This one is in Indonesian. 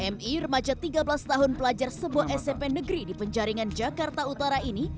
mi remaja tiga belas tahun pelajar sebuah smp negeri di penjaringan jakarta utara ini